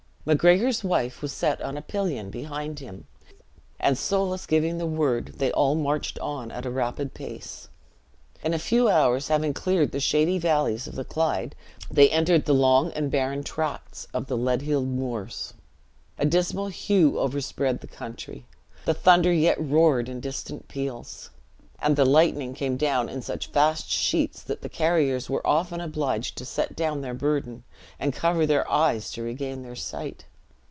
Macgregor's wife was set on a pillion behind him; and Soulis giving the word, they all marched on at a rapid pace. In a few hours, having cleared the shady valleys of the Clyde, they entered the long and barren tracts of the Leadhill Moors. A dismal hue overspread the country; the thunder yet roared in distant peals, and the lightning came down in such vast sheets that the carriers were often obliged to set down their burden, and cover their eyes to regain their sight.